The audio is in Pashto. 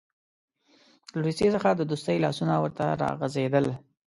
له روسیې څخه د دوستۍ لاسونه ورته راغځېدل.